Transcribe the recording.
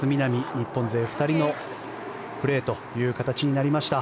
日本勢２人とプレーという形になりました。